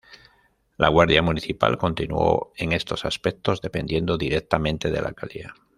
La Guardia Municipal continuó, en estos aspectos, dependiendo directamente de la alcaldía.